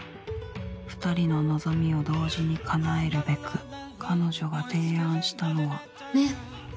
２人の望みを同時に叶えるべく彼女が提案したのはね？